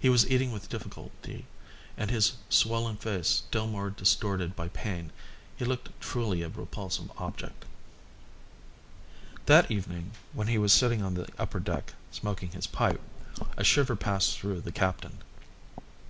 He was eating with difficulty and, his swollen face still more distorted by pain, he looked truly a repulsive object. That evening, when he was sitting on the upper deck, smoking his pipe, a shiver passed through the captain.